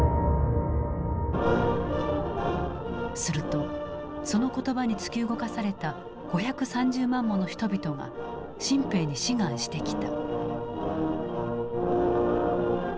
するとその言葉に突き動かされた５３０万もの人々が新兵に志願してきた。